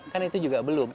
kan itu juga belum